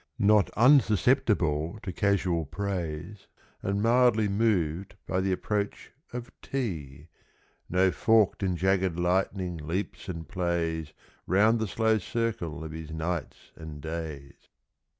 Not unsusceptible to casual praise, `And mildly moved by the approach of "tea," No forked and jagged lightning leaps and plays Round the slow circle of his nights and days.